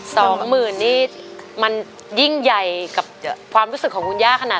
สองหมื่นนี่มันยิ่งใหญ่กับความรู้สึกของคุณย่าขนาด